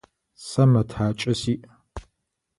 Сэ мэтакӏэ сиӏ.